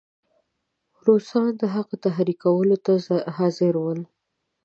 روسان د هغه تحریکولو ته حاضر ول.